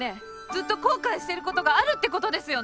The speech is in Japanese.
ずっと後悔してることがあるってことですよね？